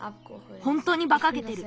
ほんとにばかげてる。